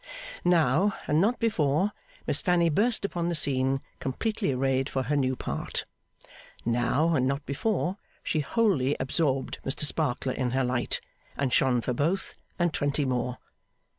Now, and not before, Miss Fanny burst upon the scene, completely arrayed for her new part. Now and not before, she wholly absorbed Mr Sparkler in her light, and shone for both, and twenty more.